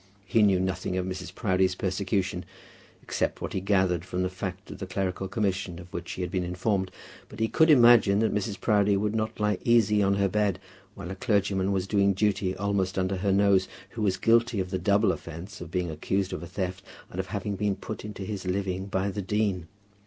He knew nothing of Mrs. Proudie's persecution, except what he gathered from the fact of the clerical commission of which he had been informed; but he could imagine that Mrs. Proudie would not lie easy on her bed while a clergyman was doing duty almost under her nose, who was guilty of the double offence of being accused of a theft, and of having been put into his living by the dean.